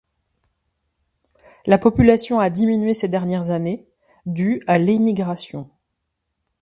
La population a diminué ces dernières années, dû à l'émigration.